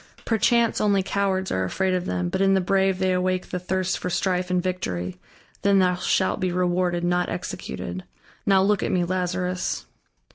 Perchance, only cowards are afraid of them, but in the brave they awake the thirst for strife and victory; then thou shalt be rewarded, not executed.... Now, look at me, Lazarus."